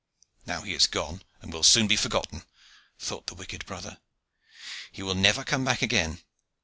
"Now he is gone, and will soon be forgotten," thought the wicked brother; "he will never come back again.